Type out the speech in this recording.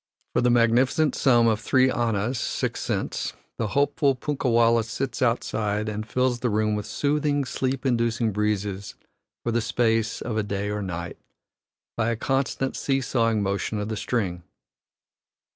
For the magnificent sum of three annas (six cents) the hopeful punkah wallah sits outside and fills the room with soothing, sleep inducing breezes for the space of a day or night, by a constant seesawing motion of the string.